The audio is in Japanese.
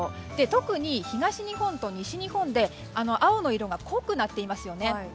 特に東日本と西日本で、青の色が濃くなっていますよね。